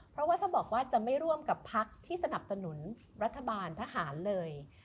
เพราะว่าถ้าบอกว่าจะไม่ร่วมกับพักที่สนับสนุนรัฐบาลทหารเลย